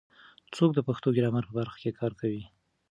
څوک د پښتو ګرامر په برخه کې کار کوي؟